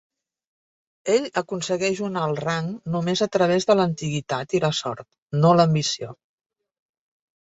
Ell aconsegueix un alt rang només a través de l'antiguitat i la sort, no l'ambició.